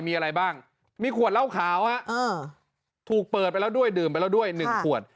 มีอะไรบ้างมีขวดเหล้าขาวถูกเปิดไปแล้วด้วยดื่มไปแล้วด้วย๑ขวด